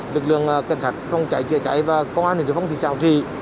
lực lượng cảnh sát phòng cháy chữa cháy và công an hình thức phòng thị xã hồ trì